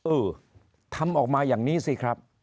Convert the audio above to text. เออทำออกมาอย่างนี้สิครับ